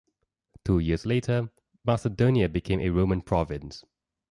Two years later Macedonia became a Roman province.